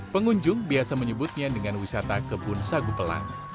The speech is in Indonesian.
pengunjung biasa menyebutnya dengan wisata kebun sagu pelang